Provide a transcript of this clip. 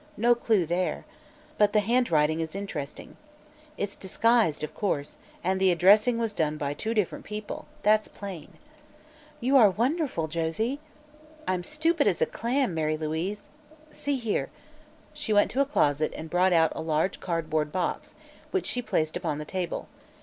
No clue there. But the handwriting is interesting. It's disguised, of course, and the addressing was done by two different people that's plain." "You are wonderful, Josie!" "I'm stupid as a clam, Mary Louise. See here!" she went to a closet and brought out a large card board box, which she placed upon the table.